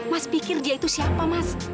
mas pikir dia itu siapa mas